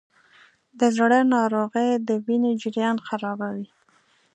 د زړه ناروغۍ د وینې جریان خرابوي.